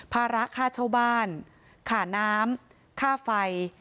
ภาระค่าเช่าบ้านค่าน้ำค่าไฟ